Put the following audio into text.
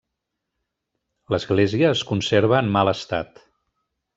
L'església es conserva en mal estat.